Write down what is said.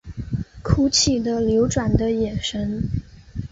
哭泣的流转的眼神